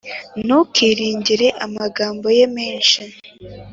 ntukiringire amagambo ye menshi,